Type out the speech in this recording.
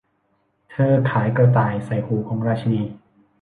เธอขายกระต่ายใส่หูของราชินี